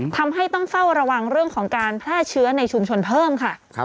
ทำให้ต้องเฝ้าระวังเรื่องของการแพร่เชื้อในชุมชนเพิ่มค่ะ